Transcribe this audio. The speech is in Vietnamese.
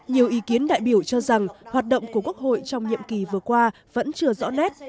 nhiều ý kiến đại biểu cho rằng hoạt động của quốc hội trong nhiệm kỳ vừa qua vẫn chưa rõ nét